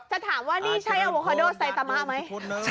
จะถามว่านี้ใช่แอโรคามะโด่ไซตามาไหม